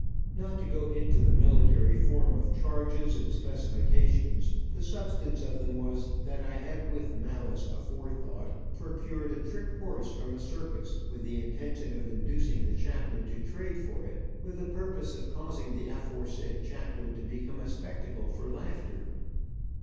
Not to go into the military form of charges and specifications, the substance of them was that I had with malice aforethought, procured a trick horse from a circus, with the intention of inducing the chaplain to trade for it, with the purpose of causing the aforesaid chaplain to become a spectacle for laughter.